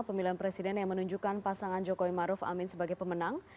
pemilihan presiden yang menunjukkan pasangan jokowi maruf amin sebagai pemenang